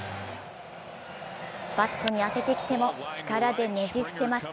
バットに当ててきても力でねじ伏せます。